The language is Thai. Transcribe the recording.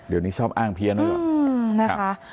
เดี๋ยวนี้ชอบอ้างเพี้ยนอ่ะ